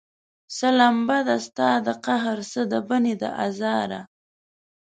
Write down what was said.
څه لمبه ده ستا د قهر، څه د بني د ازاره